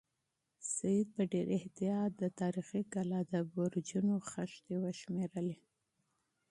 سعید په ډېر احتیاط د تاریخي کلا د برجونو خښتې وشمېرلې.